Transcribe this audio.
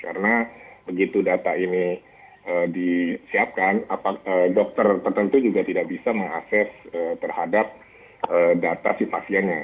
karena begitu data ini disiapkan dokter tertentu juga tidak bisa meng access terhadap data si pasiennya